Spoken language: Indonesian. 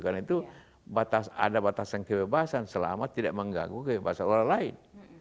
karena itu ada batasan kebebasan selama tidak mengganggu kebebasan orang lain